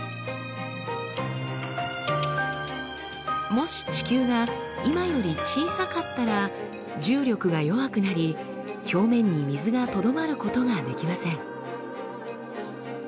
もし地球が今より小さかったら重力が弱くなり表面に水がとどまることができません。